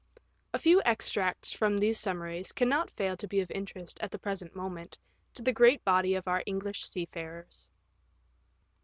* A few extracts from these summaries cannot fail to be of interest at the present moment to the great body of our English sea farers.